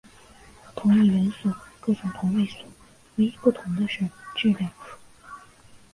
同一元素各种同位素唯一不同的是质量数。